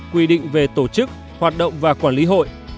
quy định về tổ chức hoạt động và quản lý hội